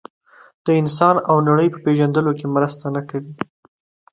د انسان او نړۍ په پېژندلو کې مرسته نه کوي.